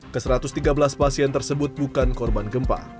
ke satu ratus tiga belas pasien tersebut bukan korban gempa